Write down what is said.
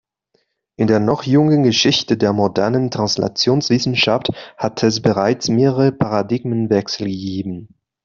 In der noch jungen Geschichte der modernen Translationswissenschaft hat es bereits mehrere Paradigmenwechsel gegeben.